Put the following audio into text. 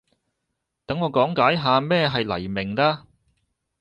等我講解下咩係黎明啦